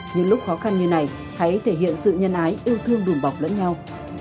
những lúc khó khăn như này hãy thể hiện sự nhân ái yêu thương đùm bọc lẫn nhau